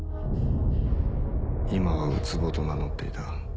今は宇津帆と名乗っていた。